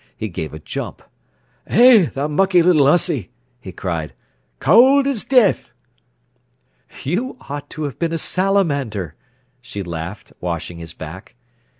He gave a jump. "Eh, tha mucky little 'ussy!" he cried. "Cowd as death!" "You ought to have been a salamander," she laughed, washing his back.